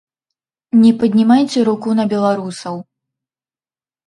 Не паднімайце руку на беларусаў.